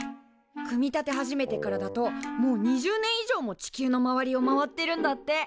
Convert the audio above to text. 組み立て始めてからだともう２０年以上も地球の周りを回ってるんだって。